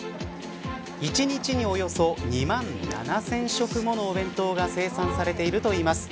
１日におよそ２万７０００食ものお弁当が生産されているといいます。